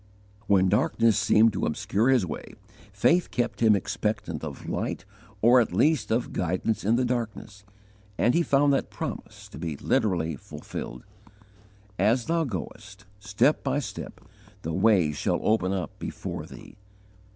When darkness seemed to obscure his way, faith kept him expectant of light, or at least of guidance in the darkness; and he found that promise to be literally fulfilled: "As thou goest, step by step, the way shall open up before thee."